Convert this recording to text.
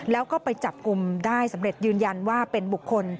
แล้วก็ไปจับกลุ่มได้สำเร็จยืนยันว่าเป็นบุคคล